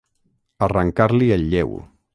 Arrancar-li el lleu.